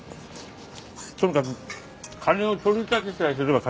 とにかく金を取り立てさえすれば勝ちだ。